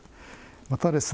またですね